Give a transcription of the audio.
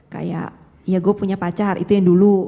kayak ya gue punya pacar itu yang dulu